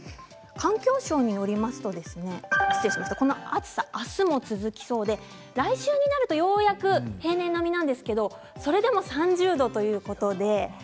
環境省によりますとこの暑さ、あすも続きそうで来週になるとようやく平年並みなんですがそれでも３０度ということで。